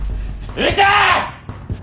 撃て！